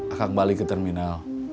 akan balik ke terminal